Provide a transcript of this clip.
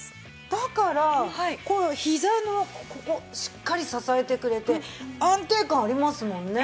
だからひざのここしっかり支えてくれて安定感ありますもんね。